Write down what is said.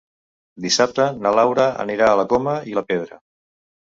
Dissabte na Laura anirà a la Coma i la Pedra.